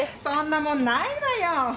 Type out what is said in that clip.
そんなもんないわよ。